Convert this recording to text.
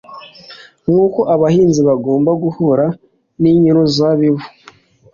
Nk'uko abahinzi bagombaga guha nyir'uruzabibu